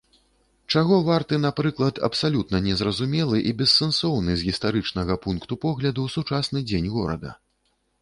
Чаго варты, напрыклад, абсалютна незразумелы і бессэнсоўны з гістарычнага пункту погляду сучасны дзень горада.